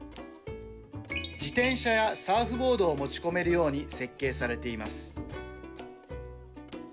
自転車やサーフボードを持ち込めるように設計されています。